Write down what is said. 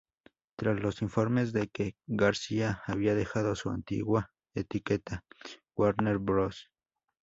Tras los informes de que García había dejado su antigua etiqueta, Warner Bros.